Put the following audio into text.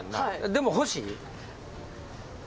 でも欲しい？